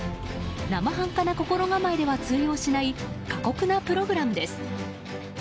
生半可な心構えでは通用しない過酷なプログラムです。